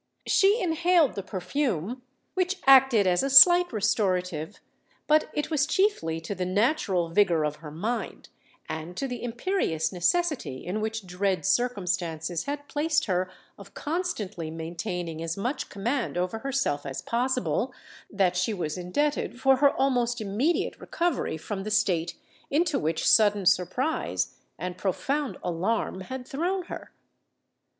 She inhaled the perfume, which acted as a slight restorative; but it was chiefly to the natural vigour of her mind, and to the imperious necessity in which dread circumstances had placed her of constantly maintaining as much command over herself as possible, that she was indebted for her almost immediate recovery from the state into which sudden surprise and profound alarm had thrown her.